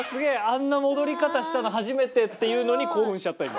あんな戻り方したの初めてっていうのに興奮しちゃった今。